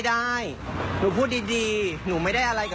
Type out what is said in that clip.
ดูคลิปกันก่อนนะครับแล้วเดี๋ยวมาเล่าให้ฟังนะครับ